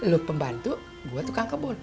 lo pembantu gue tuh kangkabun